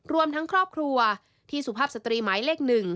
รวมทั้งครอบครัวที่สุภาพสตรีหมายเลข๑